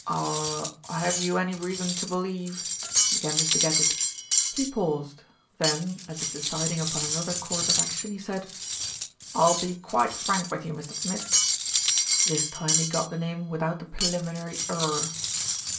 "Er have you any reason to believe ?" began Mr. Gadgett. He paused, then, as if deciding upon another course of action, he said, "I will be quite frank with you, Mr. Smith." This time he got the name without the preliminary "er."